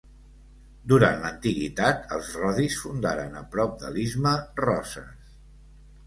Durant l'antiguitat els rodis fundaren a prop de l'istme, Roses.